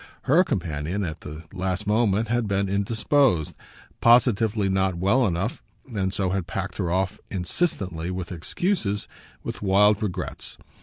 Her companion, at the last moment, had been indisposed positively not well enough, and so had packed her off, insistently, with excuses, with wild regrets.